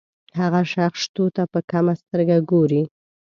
هغه شخص شتو ته په کمه سترګه ګوري.